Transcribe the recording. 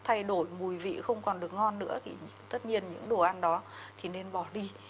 thay đổi mùi vị không còn được ngon nữa thì tất nhiên những đồ ăn đó thì nên bỏ đi